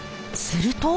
すると。